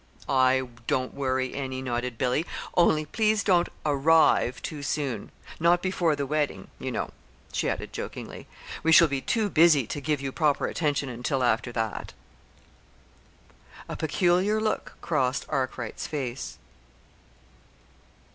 "I don't worry any," nodded Billy, "only please don't 'arrive' too soon not before the wedding, you know," she added jokingly. "We shall be too busy to give you proper attention until after that." A peculiar look crossed Arkwright's face.